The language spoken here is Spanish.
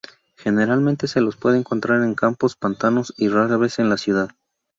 Generalmente se los puede encontrar en campos, pantanos y raras veces en la ciudad.